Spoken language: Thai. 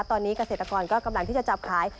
ตอนนี้เกษตรกรก็กำลังที่จะจับขาย